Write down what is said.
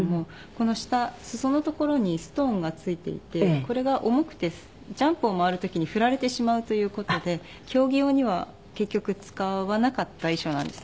この下裾の所にストーンが付いていてこれが重くてジャンプを回る時に振られてしまうという事で競技用には結局使わなかった衣装なんですね。